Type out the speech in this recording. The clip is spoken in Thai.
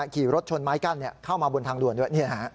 ขี่รถชนไม้กั้นเข้ามาบนทางด่วนด้วย